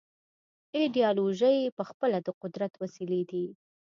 ایدیالوژۍ پخپله د قدرت وسیلې دي.